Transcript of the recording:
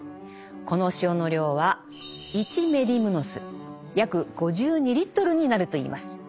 この塩の量は１メディムノス約５２リットルになるといいます。